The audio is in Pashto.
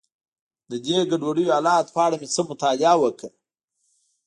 د دې ګډوډو حالاتو په اړه مې څه مطالعه وکړه.